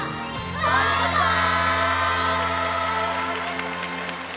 バイバイ！